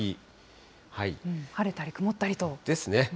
晴れたり曇ったりと。ですね。